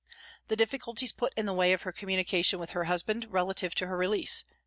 The difficulties put in the way of her communication with her husband relative to her release.